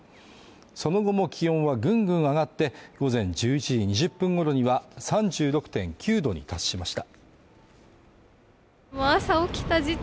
その後も気温はぐんぐん上がって午前１１時２０分ごろには３６．９度に達しました。